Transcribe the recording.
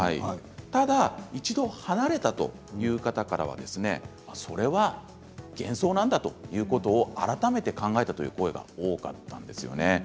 ただ一度離れたという方からはそれは幻想なんだということを改めて考えたという声が多かったんですよね。